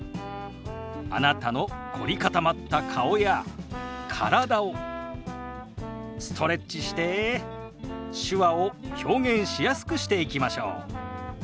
あなたの凝り固まった顔や体をストレッチして手話を表現しやすくしていきましょう。